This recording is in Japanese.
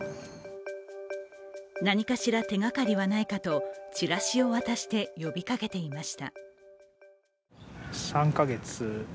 何かしら手がかりはないかとチラシを渡して呼びかけていました。